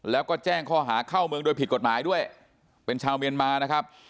แล้วก็แจ้งข้อหาเข้าเมืองโดยผิดกฎหมายด้วยเป็นชาวเมียนมานะครับ